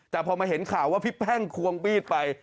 แต่พอมาเห็นข่าวว่าพี่แพ่งควงมีดไป